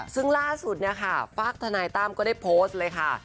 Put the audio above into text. ซึ่งล่าสุดฟากธนายตั้มก็ได้โพสต์เลยค่ะ